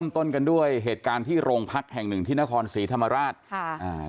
ต้นกันด้วยเหตุการณ์ที่โรงพักแห่งหนึ่งที่นครศรีธรรมราชค่ะอ่า